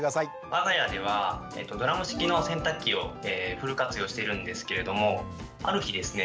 我が家ではドラム式の洗濯機をフル活用してるんですけれどもある日ですね